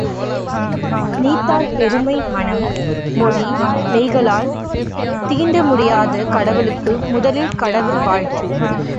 நீத்தார் பெருமை மனம், மொழி, மெய்களால் தீண்ட முடியாத கடவுளுக்கு முதலில் கடவுள் வாழ்த்து!